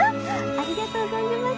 ありがとう存じます！